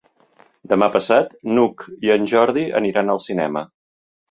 Demà passat n'Hug i en Jordi aniran al cinema.